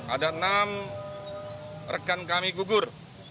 ada enam rekan kami gugur